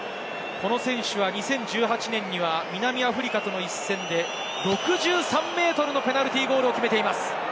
この選手は２０１８年に南アフリカとの一戦で６３ｍのペナルティーゴールを決めています。